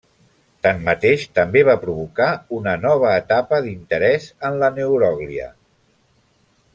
Tanmateix, també va provocar una nova etapa d'interès en la neuròglia.